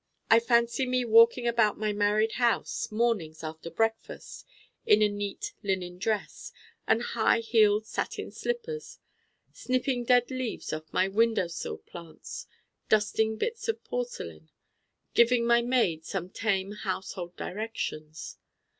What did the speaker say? I fancy me walking about my married house mornings after breakfast in a neat linen dress and high heeled satin slippers: snipping dead leaves off my window sill plants, dusting bits of porcelain, giving my maid some tame household directions.